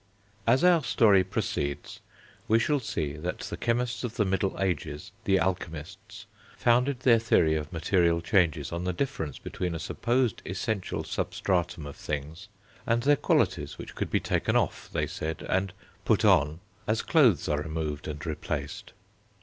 As our story proceeds, we shall see that the chemists of the middle ages, the alchemists, founded their theory of material changes on the difference between a supposed essential substratum of things, and their qualities which could be taken off, they said, and put on, as clothes are removed and replaced.